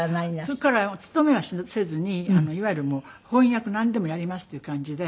そこからは勤めはせずにいわゆる翻訳なんでもやりますっていう感じで。